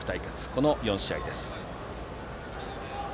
この４試合です。